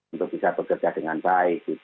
untuk bisa bekerja dengan baik